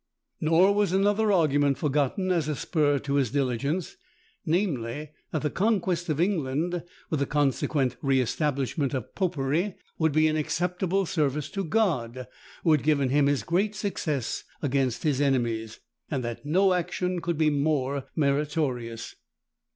Nor was another argument forgotten as a spur to his diligence, namely, that the conquest of England, with the consequent re establishment of popery, would be an acceptable service to God, who had given him his great success against his enemies, and that no action could be more meritorious.